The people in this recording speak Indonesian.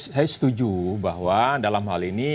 saya setuju bahwa dalam hal ini